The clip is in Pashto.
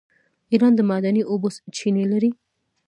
ایران د معدني اوبو چینې لري.